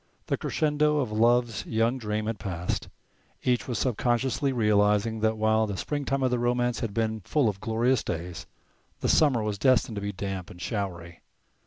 The crescendo of love's young dream had passed. Each was sub consciously realizing that while the springtime of their romance had been full of glorious days the summer was destined to be damp and showery.